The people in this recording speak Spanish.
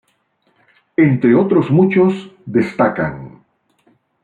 Entre otros muchos, destacan